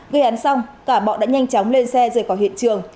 gây hắn xong cả bọn đã nhanh chóng lên xe rời khỏi hiện trường